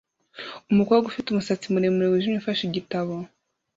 umukobwa ufite umusatsi muremure wijimye ufashe igitabo